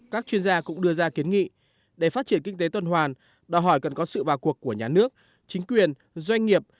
các chuyên gia cũng đưa ra kiến nghị để phát triển kinh tế tuần hoàn đòi hỏi cần có sự vào cuộc của nhà nước chính quyền doanh nghiệp